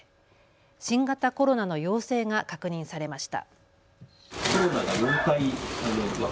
新型コロナの陽性が確認されました。